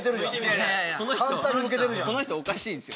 この人おかしいんすよ。